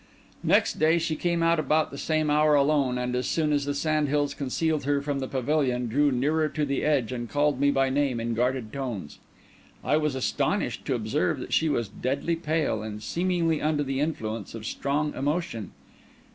Next day she came out about the same hour alone, and, as soon as the sand hills concealed her from the pavilion, drew nearer to the edge, and called me by name in guarded tones. I was astonished to observe that she was deadly pale, and seemingly under the influence of strong emotion.